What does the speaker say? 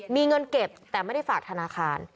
มีเงินเก็บแต่ไม่ได้ฝากธนาคาร